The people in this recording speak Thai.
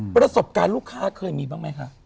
ประสบการณ์ลูกค้าเคยมีบ้างไหมคะ